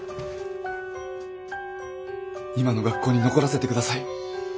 今の学校に残らせて下さい。